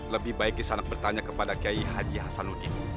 lebih baik kisah anak bertanya kepada kiyai haji hasanuddin